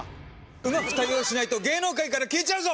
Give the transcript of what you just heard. うまく対応しないと芸能界から消えちゃうぞ！！